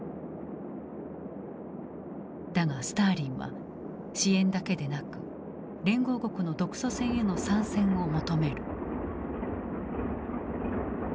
だがスターリンは支援だけでなく連合国の独ソ戦への参戦を求める。